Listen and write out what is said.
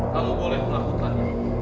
kalau boleh melakukan